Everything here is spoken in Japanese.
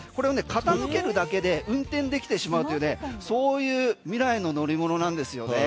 傾けるだけで運転できてしまうというそういう未来の乗り物なんですよ。